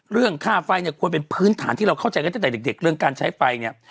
เรื่องค่าไฟเนี่ยควรเป็นพื้นฐานที่เราเข้าใจกันตั้งแต่เด็กเรื่องการใช้ไฟเนี่ย